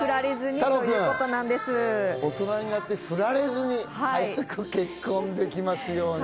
たろうくん、大人になって振られずに早く結婚できますように。